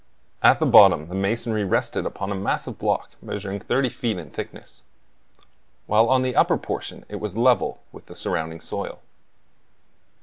At the bottom the masonry rested upon a massive block measuring thirty feet in thickness, while on the upper portion it was level with the surrounding soil.